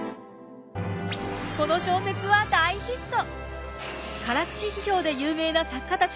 この小説は大ヒット。